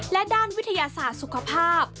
และด้านวิทยาศาสตร์สุขภาพ